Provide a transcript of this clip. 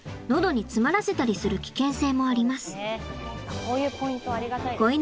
こういうポイントありがたいね。